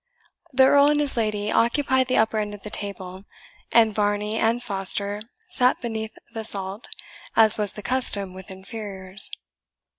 The Earl and his lady occupied the upper end of the table, and Varney and Foster sat beneath the salt, as was the custom with inferiors.